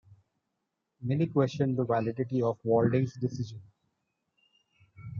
Many questioned the validity of Walding's decision.